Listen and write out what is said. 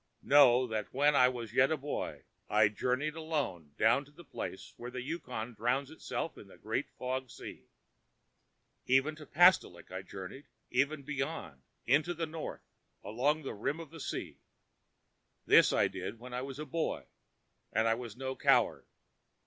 "Know that when I was yet a boy I journeyed alone down to the place where the Yukon drowns itself in the Great Fog Sea. Even to Pastolik I journeyed, and even beyond, into the north, along the rim of the sea. This I did when I was a boy, and I was no coward.